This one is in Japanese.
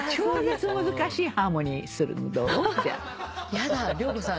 やだ良子さん。